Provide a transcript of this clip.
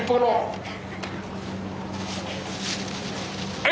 はい！